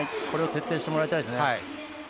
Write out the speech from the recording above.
これを徹底してもらいたいですね。